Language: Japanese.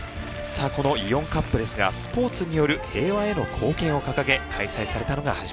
さあこのイオンカップですが「スポーツによる平和への貢献」を掲げ開催されたのが始まりです。